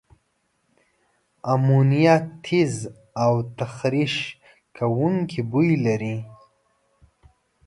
امونیا تیز او تخریش کوونکي بوی لري.